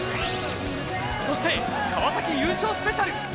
そして川崎優勝スペシャル。